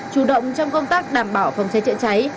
chủ động trong công tác đảm bảo phòng cháy chữa cháy